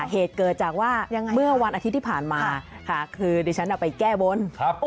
เหตุเกิดจากว่าเมื่อวันอาทิตย์ที่ผ่านมาค่ะคือดิฉันเอาไปแก้บน